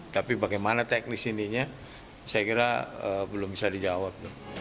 tapi bagaimana teknis ininya saya kira belum bisa dijawab